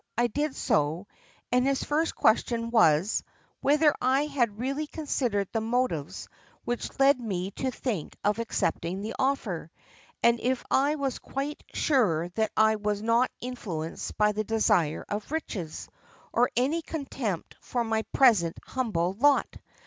I did so, and his first question was, whether I had really considered the motives which led me to think of accepting the offer, and if I was quite sure that I was not influenced by the desire of riches, or any contempt for my present humble lot.